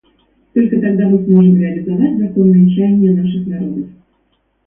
Только тогда мы сможем реализовать законные чаяния наших народов.